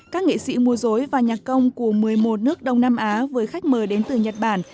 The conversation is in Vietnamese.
các nghệ sĩ mua dối và nhạc công của một mươi một nước đông nam á với khách mời đến từ nhật bản